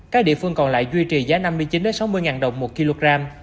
các địa phương còn lại duy trì giá năm mươi chín sáu mươi đồng một kg